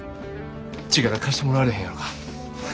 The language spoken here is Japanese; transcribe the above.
力貸してもらわれへんやろか。